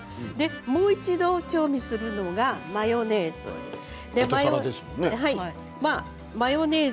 もう一度、調味するのがマヨネーズ。